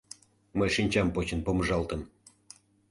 Мый шинчам почын помыжалтым.